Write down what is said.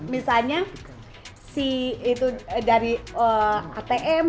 misalnya si itu dari atm